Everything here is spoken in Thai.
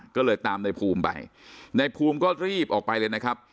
ก็เลยตามในภูมิไปในภูมิก็รีบออกไปเลยนะครับ